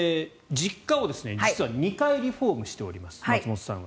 実家を松本さんが実は２回リフォームしております。